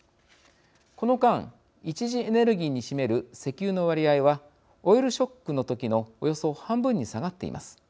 この間、１次エネルギーに占める石油の割合はオイルショックの時のおよそ半分に下がっています。